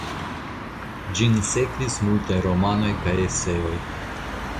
Ĝin sekvis multaj romanoj kaj eseoj.